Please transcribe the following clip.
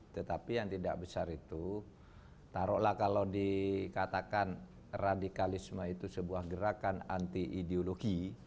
tetapi yang tidak besar itu taruhlah kalau dikatakan radikalisme itu sebuah gerakan anti ideologi